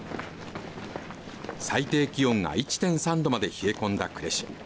最低気温が１．３度まで冷え込んだ呉市。